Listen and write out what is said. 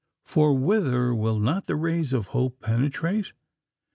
For whither will not the rays of Hope penetrate?